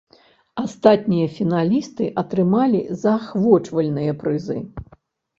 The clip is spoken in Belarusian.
Астатнія фіналісты атрымалі заахвочвальныя прызы.